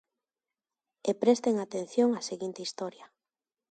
E presten atención á seguinte historia.